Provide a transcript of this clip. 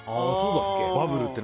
バブルって。